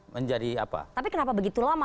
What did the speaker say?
menjadi apa tapi kenapa begitu lama